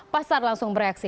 pasar langsung bereaksi